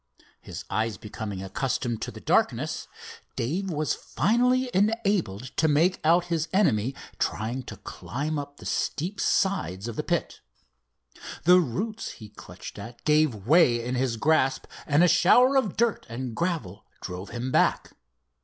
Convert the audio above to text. His eyes becoming accustomed to the darkness, Dave was finally enabled to make out his enemy trying to climb up the steep sides of the pit. The roots he clutched at gave way in his grasp and a shower of dirt and gravel drove him back.